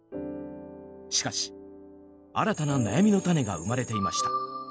しかし、新たな悩みの種が生まれていました。